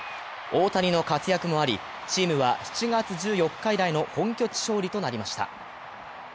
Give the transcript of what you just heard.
大谷の活躍もあり、チームは７月１４日以来の本拠地勝利となりました。